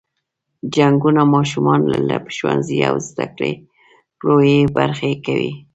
جنګونه ماشومان له ښوونځي او زده کړو بې برخې کوي.